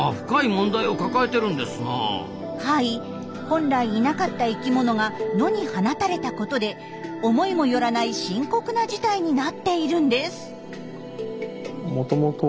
本来いなかった生きものが野に放たれたことで思いもよらない深刻な事態になっているんです。